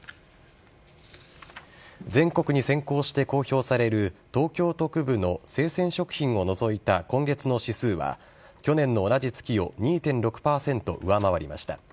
全国に先行して公表される東京都区部の生鮮食品を除いた今月の指数は去年の同じ月を２．６％上回りました。